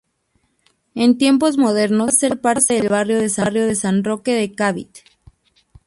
En tiempos modernos paso a ser parte del barrio de San Roque de Cavite.